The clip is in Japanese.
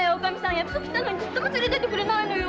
約束したのに連れてってくれないのよ。